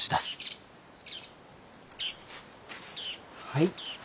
はい。